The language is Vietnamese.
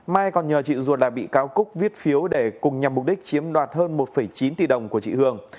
mai còn nhờ chị ruột là bị cáo cúc viết phiếu để cùng nhằm mục đích chiếm đoạt hơn một chín tỷ đồng của chị hường